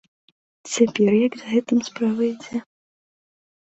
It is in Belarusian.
Цяпер як з гэтым справа ідзе?